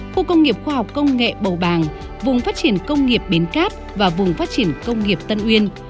khu công nghiệp khoa học công nghệ bầu bàng vùng phát triển công nghiệp bến cát và vùng phát triển công nghiệp tân uyên